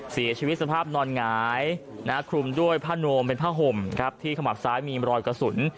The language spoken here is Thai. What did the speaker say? เสียชีวิตสภาพนอนหงายคลุมด้วยผ้านวมเป็นผ้าห่มครับที่ขมับซ้ายมีรอยกระสุน